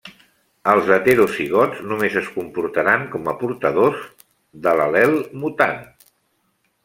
Els heterozigots només es comportaran com a portadors de l’al·lel mutant.